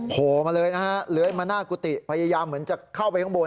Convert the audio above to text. โผล่มาเลยนะฮะเลื้อยมาหน้ากุฏิพยายามเหมือนจะเข้าไปข้างบน